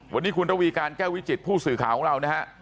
วันนี้คุณระวีการแก้ววิจิตผู้สื่อข่าวของเรานะฮะ